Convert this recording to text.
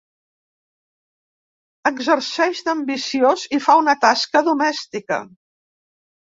Exerceix d'ambiciós i fa una tasca domèstica.